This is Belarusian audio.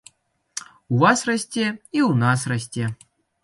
У вас расце, і ў нас расце.